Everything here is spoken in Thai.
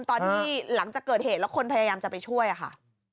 ตอนนี้หลังจากเกิดเหตุแล้วคนพยายามจะไปช่วยอ่ะค่ะ